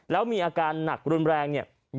แล้วมีอาการหนักรุนแรง๒๕